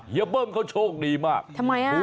เบิ้มเขาโชคดีมากทำไมอ่ะ